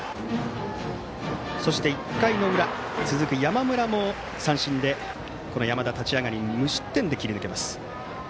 そして、１回の裏続く山村も三振で山田は立ち上がり無失点で切り抜けます。